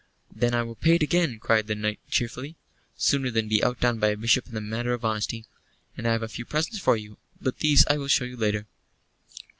"Then I will pay it again," cried the knight, cheerfully, "sooner than be outdone by a Bishop in the matter of honesty; and I have a few presents for you, but these I will show you later."